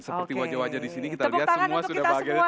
seperti wajah wajah disini kita lihat semua sudah bahagia